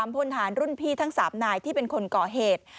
พลฐานรุ่นพี่ทั้ง๓นายที่เป็นคนก่อเหตุ